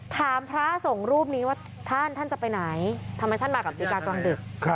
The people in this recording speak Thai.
ถามพระส่งรูปนี้ว่าท่านจะไปไหนทำไมท่านมากับศรีกาตอนดึก